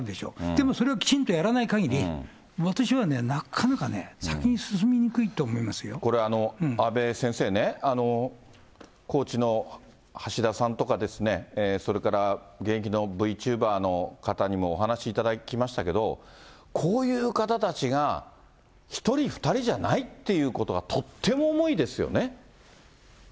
でもそれをきちんとやらないかぎり、私は、なかなか先に進みにくこれ、阿部先生ね、高知の橋田さんとかですね、それから現役のＶチューバーの方にもお話しいただきましたけど、こういう方たちが、１人、２人じゃないっていうことが、とってもそうですね。